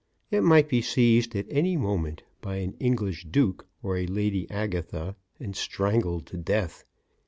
'"] It might be seized at any moment by an English Duke or a Lady Agatha and strangled to death.